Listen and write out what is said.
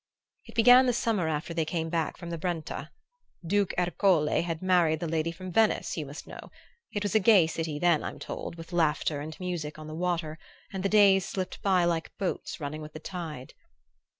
"It began the summer after they came back from the Brenta. Duke Ercole had married the lady from Venice, you must know; it was a gay city, then, I'm told, with laughter and music on the water, and the days slipped by like boats running with the tide.